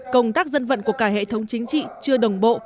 công tác dân vận của cả hệ thống chính trị chưa đồng bộ